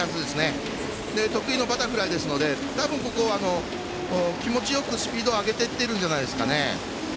得意のバタフライですので気持ちよくスピードを上げていっているんじゃないですかね。